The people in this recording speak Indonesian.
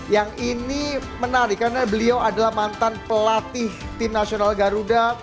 yang ini menarik karena beliau adalah mantan pelatih tim nasional garuda